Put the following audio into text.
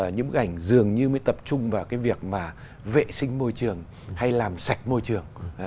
những bức ảnh dường như mới tập trung vào cái việc mà vệ sinh môi trường hay làm sạch môi trường